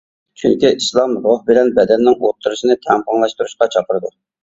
چۈنكى ئىسلام روھ بىلەن بەدەننىڭ ئوتتۇرىسىنى تەڭپۇڭلاشتۇرۇشقا چاقىرىدۇ.